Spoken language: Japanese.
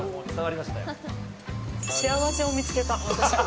幸せを見つけた。